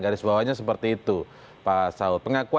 garis bawahnya seperti itu